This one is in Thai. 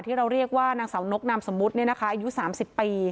ที่เราเรียกว่านางสาวนกนามสมุทรเนี่ยนะคะอายุสามสิบปี